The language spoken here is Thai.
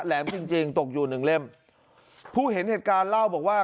แหมจริงจริงตกอยู่หนึ่งเล่มผู้เห็นเหตุการณ์เล่าบอกว่า